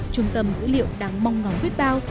trung tâm dữ liệu đang mong ngóng biết bao